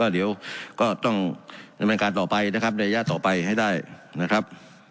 เดี๋ยวก็ต้องดำเนินการต่อไปนะครับในระยะต่อไปให้ได้นะครับ